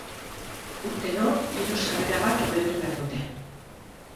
Urtero diru-sarrera bat ordaindu behar dute.